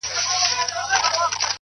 شاوخوا پر طبیبانو ګرځېدله -